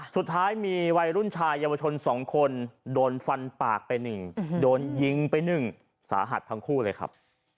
สุดท้ายมีวัยรุ่นชายเยาวชน๒คนโดนฟันปากไปหนึ่งโดนยิงไป๑สาหัสทั้งคู่เลยครับ